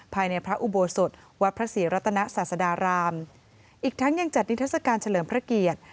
ภายในพระอุโบสถวัดพระศรีรัตนศาสดารามอีกทั้งยังจัดนิทัศกาลเฉลิมพระเกียรติ